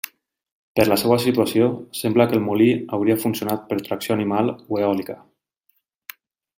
Per la seva situació, sembla que el molí hauria funcionat per tracció animal o eòlica.